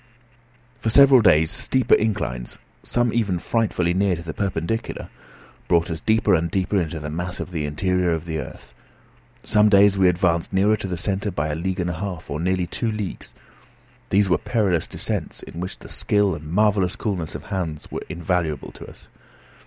For several days steeper inclines, some even frightfully near to the perpendicular, brought us deeper and deeper into the mass of the interior of the earth. Some days we advanced nearer to the centre by a league and a half, or nearly two leagues. These were perilous descents, in which the skill and marvellous coolness of Hans were invaluable to us.